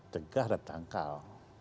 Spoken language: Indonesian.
cegah dan tangkal